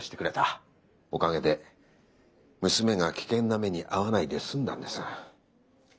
おかげで娘が危険な目に遭わないで済んだんです。